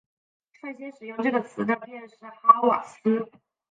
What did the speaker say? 率先使用这个词的便是哈瓦斯。